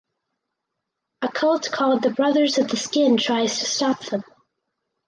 A cult called the Brothers of the Skin tries to stop them.